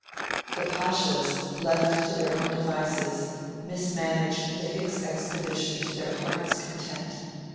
The Pashas, left to their own devices, mismanaged the Hicks expedition to their hearts' content.